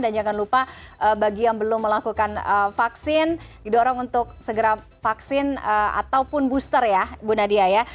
dan jangan lupa bagi yang belum melakukan vaksin didorong untuk segera vaksin ataupun booster ya bu nadia